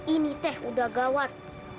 ini teh udah gawat